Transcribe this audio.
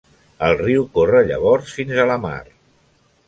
El riu corre llavors fins a la mar.